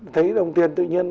thấy đồng tiền tự nhiên